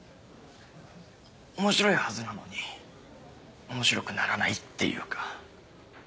面白いはずなのに面白くならないっていうか。